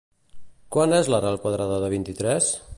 Quant és l'arrel quadrada de vint-i-tres?